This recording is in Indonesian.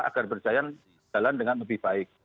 agar berjalan jalan dengan lebih baik